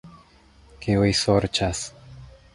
Kiuj sorĉas?